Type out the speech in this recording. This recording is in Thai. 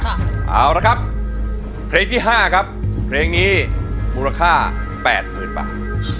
ครับเอาละครับเพลงที่ห้าครับเพลงนี้มูลค่าแปดหมื่นบาท